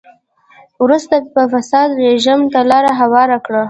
وروسته یې فاسد رژیم ته لار هواره کړه.